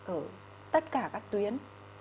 ở tất cả các tuyến